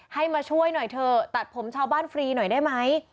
ให้มาช่วยหน่อยเถอะตัดผมชาวบ้านฟรีหน่อยได้ไหม